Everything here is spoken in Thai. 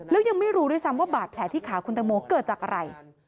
แล้วยังไม่รู้ด้วยซ้ำว่าบาดแผลที่ขาคุณตังโมเกิดจากอะไร